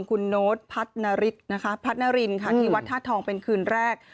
คุณโน๊ตพัฒนารินที่วัดธาตุทองเป็นคืนแรก